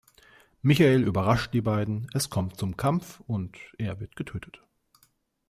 Michael überrascht die beiden, es kommt zum Kampf, und er wird getötet.